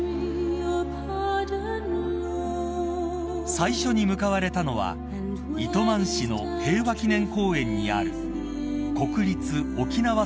［最初に向かわれたのは糸満市の平和祈念公園にある］